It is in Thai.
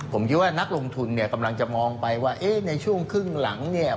ผมคิดว่านักลงทุนเนี่ยกำลังจะมองไปว่าเอ๊ะในช่วงครึ่งหลังเนี่ย